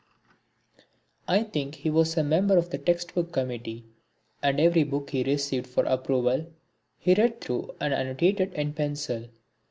I think he was a member of the text book committee and every book he received for approval, he read through and annotated in pencil.